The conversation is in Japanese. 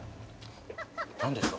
何ですか？